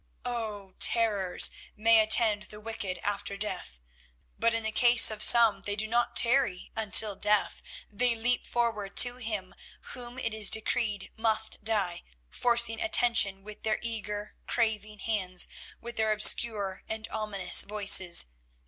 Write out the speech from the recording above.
Oh! terrors may attend the wicked after death, but in the case of some they do not tarry until death; they leap forward to him whom it is decreed must die, forcing attention with their eager, craving hands, with their obscure and ominous voices.